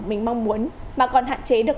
mình mong muốn mà còn hạn chế được